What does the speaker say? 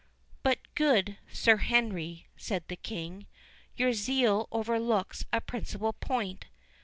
"But, good Sir Henry," said the King, "your zeal overlooks a principal point.